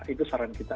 itu saran kita